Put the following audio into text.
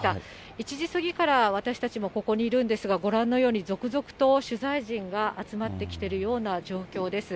１時過ぎから私たちもここにいるんですが、ご覧のように続々と取材陣が集まってきているような状況です。